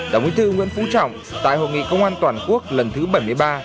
đồng ý thư nguyễn phú trọng tại hội nghị công an toàn quốc lần thứ bảy mươi ba đã nhấn mạnh